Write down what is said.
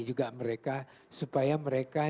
juga mereka supaya mereka